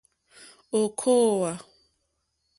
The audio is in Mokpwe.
Ò kòòwà.